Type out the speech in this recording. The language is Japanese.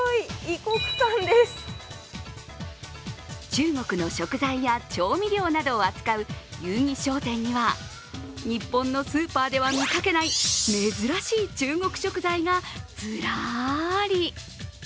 中国の食材や調味料を扱う遊戯商店では日本のスーパーでは見かけない珍しい中国食材がずらり。